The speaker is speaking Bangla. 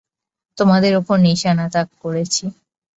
তোমাদের ওপর নিশানা তাক করেছি।